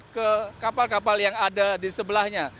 ke kapal kapal yang ada di sebelahnya